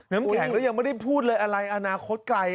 น้ำแข็งแล้วยังไม่ได้พูดเลยอะไรอนาคตไกล